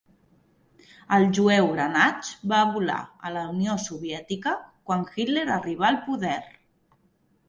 El jueu Granach va volar a la Unió Soviètica quan Hitler arribà al poder.